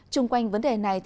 trung quanh vấn đề này